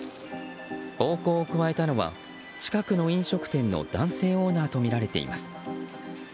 暴行を加えたのは近くの飲食店の男性オーナーとみられています。